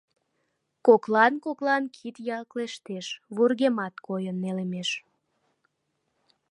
Коклан-коклан кид яклештеш, вургемат койын нелемеш.